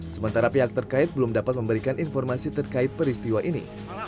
sementara pihak terkait belum dapat memberikan informasi terkait peristiwa ini